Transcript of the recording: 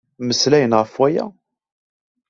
Mmeslayen ɣe waya.